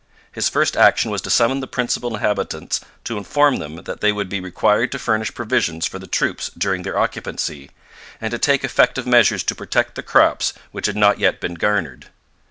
His first action was to summon the principal inhabitants to inform them that they would be required to furnish provisions for the troops during their occupancy, and to take effective measures to protect the crops which had not yet been garnered.